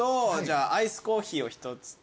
アイスコーヒーを１つと。